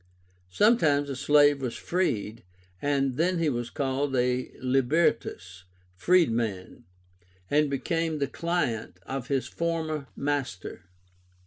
Sometimes a slave was freed, and then he was called a LIBERTUS (freedman) and became the client of his former master.